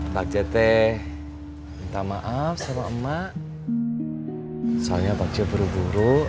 bagjate minta maaf sama emak soalnya bagja buruk buruk